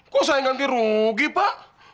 kok saya ganti rugi pak